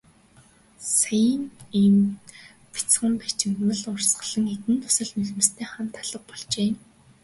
Саяын нь бяцхан бачимдал урсгасан хэдэн дусал нулимстай нь хамт алга болжээ.